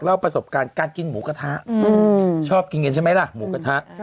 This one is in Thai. เล่าประสบการณ์การกินหมูกระทะชอบกินกันใช่ไหมล่ะหมูกระทะ